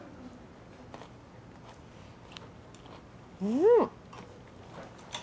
うん！